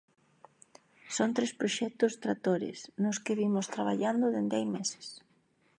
Son tres proxectos tractores nos que vimos traballando dende hai meses.